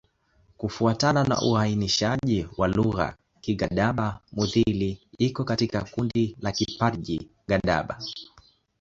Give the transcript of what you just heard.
Kufuatana na uainishaji wa lugha, Kigadaba-Mudhili iko katika kundi la Kiparji-Gadaba.